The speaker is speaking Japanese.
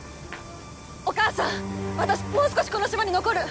お母さん私もう少しこの島に残る。